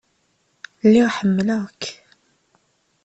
Lliɣ ḥemmleɣ-k.